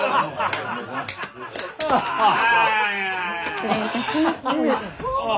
失礼いたします。